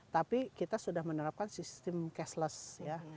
tapi kita sudah menerapkan sistem cashless ya